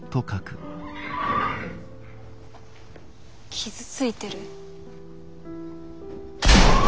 傷ついてる？